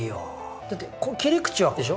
だって切り口はここでしょ？